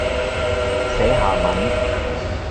寫下文